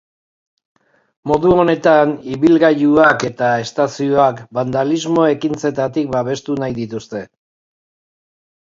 Modu honetan, ibilgailuak eta estazioak bandalismo ekintzetatik babestu nahi dituzte.